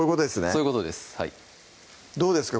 そういうことですどうですか